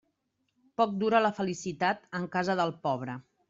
Poc dura la felicitat en casa del pobre.